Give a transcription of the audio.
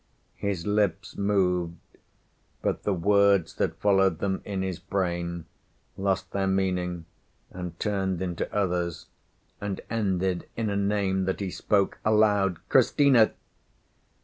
His lips moved, but the words that followed them in his brain lost their meaning and turned into others, and ended in a name that he spoke aloud Cristina!